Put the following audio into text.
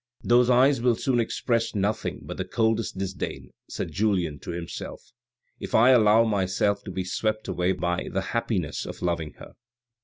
"Those eyes will soon express nothing but the coldest disdain," said Julien to himself, " if I allow myself to be swept away by the happiness of loving her."